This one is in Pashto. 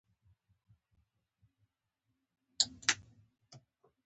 ته ولې دلته راغلی یې؟